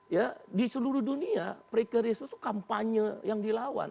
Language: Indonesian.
ya di seluruh dunia precaries itu kampanye yang dilawan